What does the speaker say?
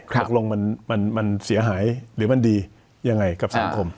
หลักลงมันเสียหายหรือมันดียังไงกับสังคมนะครับ